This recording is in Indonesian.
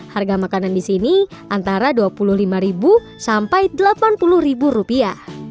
harga makanan di sini antara dua puluh lima sampai delapan puluh rupiah